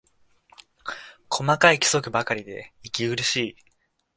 細かい規則ばかりで息苦しい